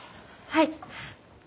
はい。